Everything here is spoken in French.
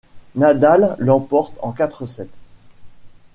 Nadal l'emporte en quatre sets.